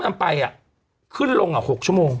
ทั้งครึ่งชั่วโมง